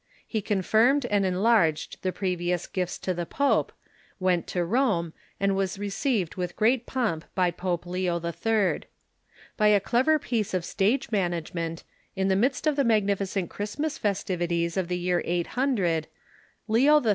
He confirmed and enlarged the previous gifts to the pope, went to Rome, and w^as received with great pomp by Pope Leo HI. By a clever piece of stage management, in the midst of the magnificent Christmas festivities of the year 800, Leo III.